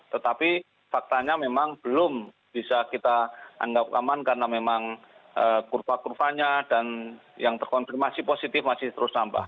tetapi faktanya memang belum bisa kita anggap aman karena memang kurva kurvanya dan yang terkonfirmasi positif masih terus nambah